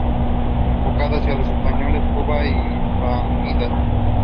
Is it fun to play and strangely addictive?